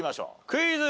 クイズ。